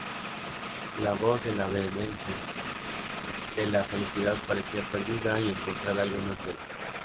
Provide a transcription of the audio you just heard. La voz de la vehemencia de la felicidad parecía perdida y encontrada algunas veces.